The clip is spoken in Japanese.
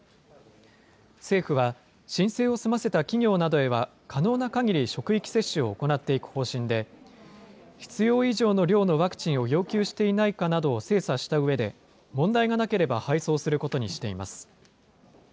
政府は、申請を済ませた企業などへは、可能なかぎり職域接種を行っていく方針で、必要以上の量のワクチンを要求していないかなどを精査したうえで、問題がなければ配送することにしています。